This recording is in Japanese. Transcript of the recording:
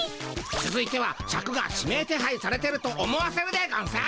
つづいてはシャクが指名手配されてると思わせるでゴンス。